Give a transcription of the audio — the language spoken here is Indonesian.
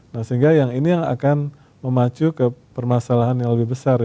nah sehingga yang ini yang akan memacu ke permasalahan yang lebih besar